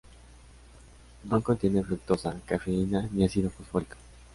No contiene fructosa, cafeína ni ácido fosfórico.